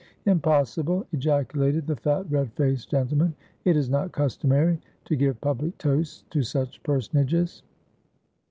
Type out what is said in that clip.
"Impossible!" ejaculated the fat, red faced gentle man. "It is not customary to give public toasts to such personages."